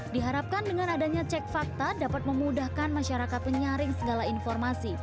diharapkan dengan adanya cek fakta dapat memudahkan masyarakat menyaring segala informasi